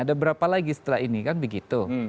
ada berapa lagi setelah ini kan begitu